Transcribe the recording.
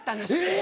え！